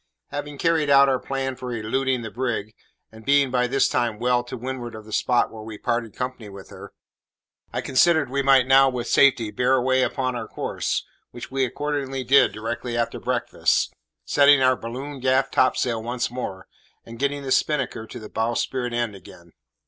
Having carried out our plan for eluding the brig, and being by this time well to windward of the spot where we parted company with her, I considered we might now with safety bear away upon our course, which we accordingly did directly after breakfast, setting our balloon gaff topsail once more, and getting the spinnaker to the bowsprit end again.